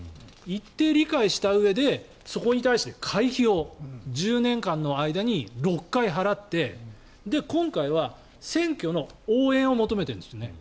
一定理解したうえでそこに対して会費を１０年間の間に６回払って今回は選挙の応援を求めているんですよね。